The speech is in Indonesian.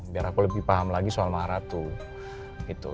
biar aku lebih paham lagi soal maharatu